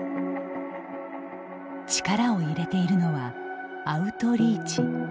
力を入れているのはアウトリーチ。